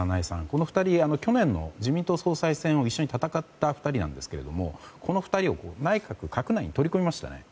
この２人、去年の自民党総裁選を一緒に戦った２人なんですがこの２人を閣内に取り込みましたよね。